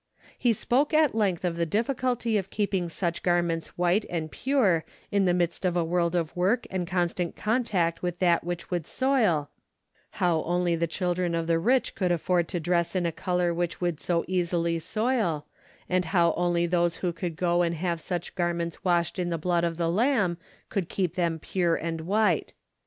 He spoke at length of the difficulty of keeping such garments white and pure in the midst of a world of work and constant contact with that which would soil, how only the children of the rich could afford to dress in a color which would so easily soil, and how only those who could go and have such gar ments washed in the blood of the Lamb could keep them pure and white.